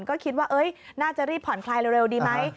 ก็คิดว่าน่าจะรีบผ่อนคลายเร็วดีไหม